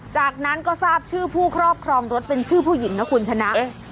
จากนั้นก็ทราบชื่อผู้ครอบครองรถเป็นชื่อผู้หญิงนะคุณชนะ